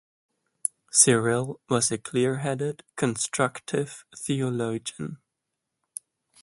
Cyril was a clear-headed, constructive theologian.